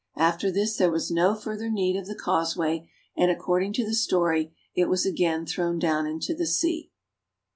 After this there was no further need of the Causeway, and according to the story it was again thrown down into the sea.